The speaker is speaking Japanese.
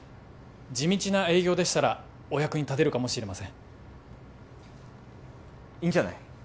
地道な営業でしたらお役に立てるかもしれませんいいんじゃない？